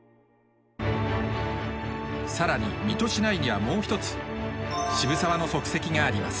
更に水戸市内にはもう一つ渋沢の足跡があります。